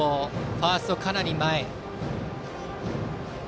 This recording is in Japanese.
ファーストはかなり前。